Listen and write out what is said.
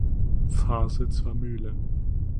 Pfarrsitz war Mühlen.